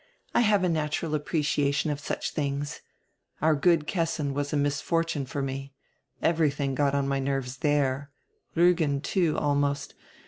I have a natural appreciation of such tilings. Our good Kessin was a misfortune for me. Everything got on my nerves there. Riigen too, almost.